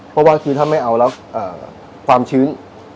เพราะว่าคือถ้าไม่เอาแล้วความชื้น